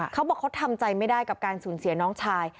เขาบอกเขาทำใจไม่ได้กับการสูญเสียน้องชาย